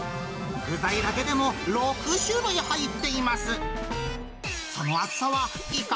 具材だけでも６種類入っています。